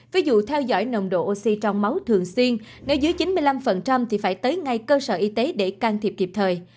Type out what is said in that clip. ví dụ theo dõi nồng độ oxy trong máu thường xuyên nếu dưới chín mươi năm thì phải tới ngay cơ sở y tế để can thiệp kịp thời